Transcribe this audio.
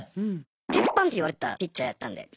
鉄板って言われてたピッチャーやったんで。